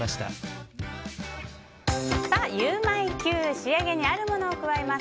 仕上げにあるものを加えます。